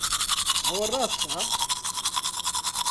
ئەوە ڕاستە؟